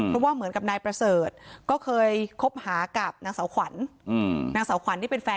กลัวเขาจะมาแย่งลูกค้า